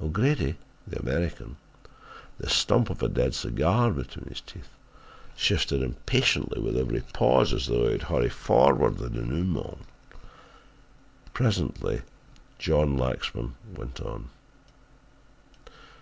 O'Grady, the American, the stump of a dead cigar between his teeth, shifted impatiently with every pause as though he would hurry forward the denouement. Presently John Lexman went on.